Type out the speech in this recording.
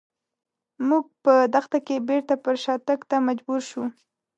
موږ په دښته کې بېرته پر شاتګ ته مجبور شوو.